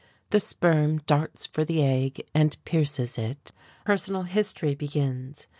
The spermia darts for the egg, and pierces it; personal history begins.